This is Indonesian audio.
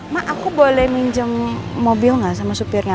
mak aku boleh minjem mobil nggak sama supirnya